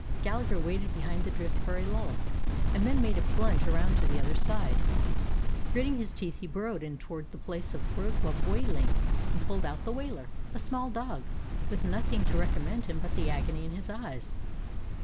Gallagher waited behind the drift for a lull, and then made a plunge around to the other side. Gritting his teeth he burrowed in toward the place of wailing and pulled out the wailer, a small dog, with nothing to recom mend him but the agony in his eyes.